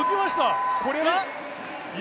これは？